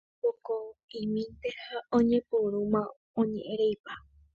Omokõ'imínte ha oñepyrũma oñe'ẽreipa.